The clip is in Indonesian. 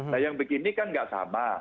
nah yang begini kan nggak sama